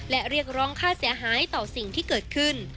และเรียกร้องค่าเสียหายต่อสิ่งที่เกิดขึ้น